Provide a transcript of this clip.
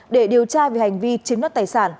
để điều tra về hành vi chiếm đất tài sản